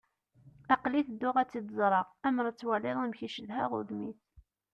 Aql-i tedduɣ ad tt-id-ẓreɣ. Ammer ad twaliḍ amek i cedhaɣ udem-is.